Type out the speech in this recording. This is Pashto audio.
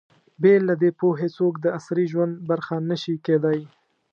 بې له دې پوهې، څوک د عصري ژوند برخه نه شي کېدای.